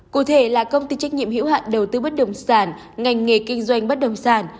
cụ thể là công ty trách nhiệm hữu hạn đầu tư bất đồng sản ngành nghề kinh doanh bất đồng sản